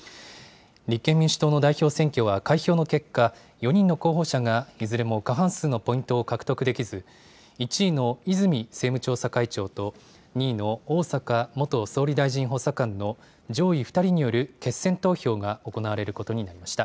立憲民主党の代表選挙は、開票の結果、４人の候補者がいずれも過半数のポイントを獲得できず、１位の泉政務調査会長と、２位の逢坂元総理大臣補佐官の上位２人による決選投票が行われることになりました。